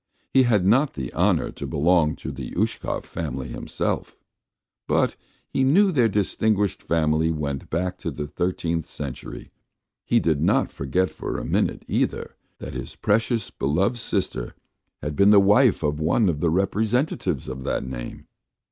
He had not the honour to belong to the Uskov family himself, but he knew their distinguished family went back to the thirteenth century; he did not forget for a minute, either, that his precious, beloved sister had been the wife of one of the representatives of that name.